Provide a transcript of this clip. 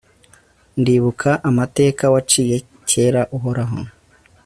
ndibuka amateka waciye kera, uhoraho